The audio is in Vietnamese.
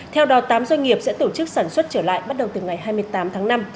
theo đó tám doanh nghiệp sẽ tổ chức sản xuất trở lại bắt đầu từ ngày hai mươi tám tháng năm